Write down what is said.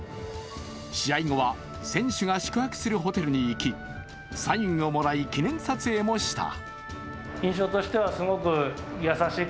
試合後は選手が宿泊するホテルに行きサインをもらい記念撮影もした。